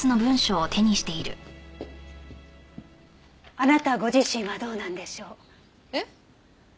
あなたご自身はどうなんでしょう。え？